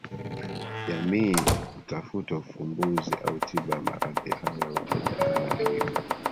jamii kutafuta ufumbuzi au tiba ya maradhi hayo ya uteja kama ilivyo